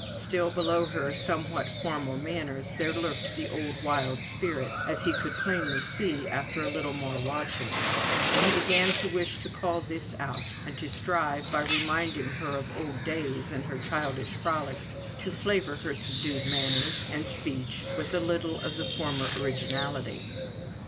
Still below her somewhat formal manners there lurked the old wild spirit, as he could plainly see after a little more watching; and he began to wish to call this out, and to strive, by reminding her of old days, and all her childish frolics, to flavour her subdued manners and speech with a little of the former originality.